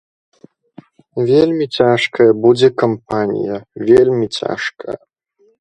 Вельмі цяжкая будзе кампанія, вельмі цяжкая.